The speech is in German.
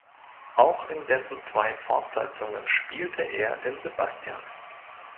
Auch in dessen zwei Fortsetzungen spielte er den Sebastian.